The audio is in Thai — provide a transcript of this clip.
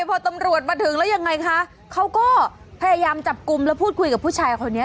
พอตำรวจมาถึงแล้วยังไงคะเขาก็พยายามจับกลุ่มแล้วพูดคุยกับผู้ชายคนนี้